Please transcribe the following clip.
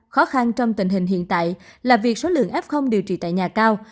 khó khăn trong tình hình hiện tại là việc số lượng f điều trị tại nhà cao